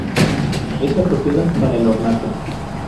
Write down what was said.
Es apropiada para el ornato.